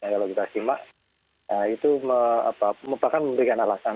kalau kita simak itu bahkan memberikan alasan